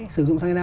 sử dụng sang e năm